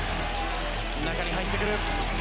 中に入ってくる。